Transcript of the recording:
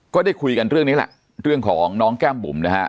ก็ได้คุยกันเรื่องนี้แหละเรื่องของน้องแก้มบุ๋มนะฮะ